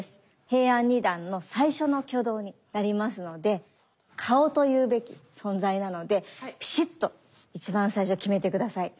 平安二段の最初の挙動になりますので顔というべき存在なのでピシっと一番最初極めて下さい。